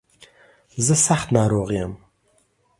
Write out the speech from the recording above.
زه سخت ناروغ يم.